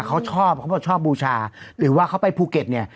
เขาชอบบูชาหรือว่าเขาไปภูเก็ตเนี่ย